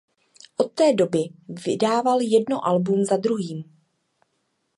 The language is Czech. Od té doby vydával jedno album za druhým.